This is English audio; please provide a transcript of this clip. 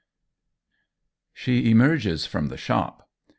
She emerges from the shop.